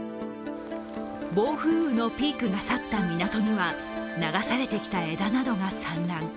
暴風雨のピークが去った港には流されてきた枝などが散乱。